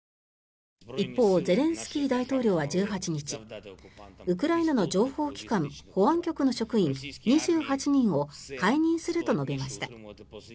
一方ゼレンスキー大統領は１８日ウクライナの情報機関保安局の職員２８人を解任すると述べました。